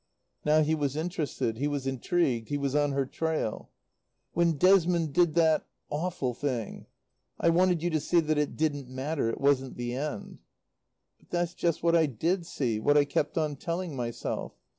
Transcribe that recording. Now he was interested; he was intrigued; he was on her trail. "When Desmond did that awful thing. I wanted you to see that it didn't matter, it wasn't the end." "But that's just what I did see, what I kept on telling myself.